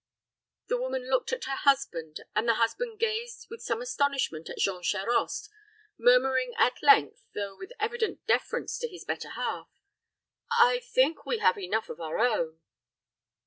The young woman looked at her husband, and the husband gazed with some astonishment at Jean Charost, murmuring at length, though with evident deference to his better half, "I think we have enough of our own."